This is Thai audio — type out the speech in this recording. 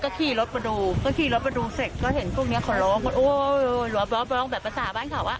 ก็ขี่รถไปดูเสร็จเห็นพวกเนี้ยคนละโอ๊ยหลวงแบบภาษาบ้านเขาอะ